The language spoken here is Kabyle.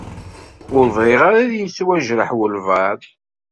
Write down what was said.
Ur bɣiɣ ara ad yettwajreḥ walebɛeḍ.